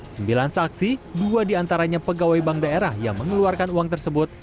sembilan saksi dua diantaranya pegawai bank daerah yang mengeluarkan uang tersebut